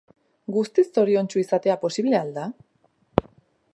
Guztiz zoriontsu izatea posible al da?